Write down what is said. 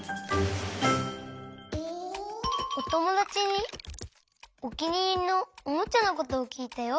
おともだちにおきにいりのおもちゃのことをきいたよ。